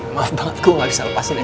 maaf banget gue gak bisa lepasin ya